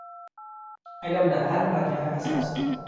• علم د هر بریا اساس دی.